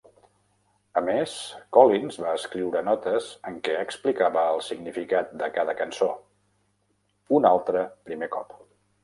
A més, Collins va escriure notes en què explicava el significat de cada cançó, un altre primer cop.